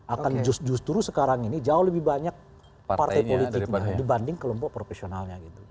akan justru sekarang ini jauh lebih banyak partai politiknya dibanding kelompok profesionalnya gitu